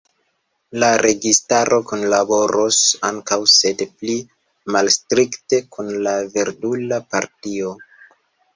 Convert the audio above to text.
La registaro kunlaboros ankaŭ sed pli malstrikte kun la Verdula Partio.